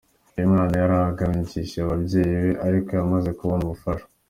Uyu mwana yari ahangayikishije ababyeyi be ariko yamaze kubona ubufasha.